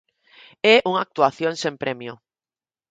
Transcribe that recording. E unha actuación sen premio.